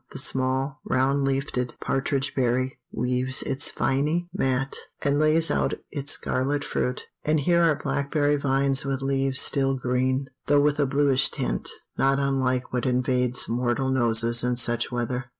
The small, round leafed partridgeberry weaves its viny mat, and lays out its scarlet fruit; and here are blackberry vines with leaves still green, though with a bluish tint, not unlike what invades mortal noses in such weather.